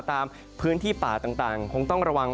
ตามพื้นที่ป่าต่างคงต้องระวัง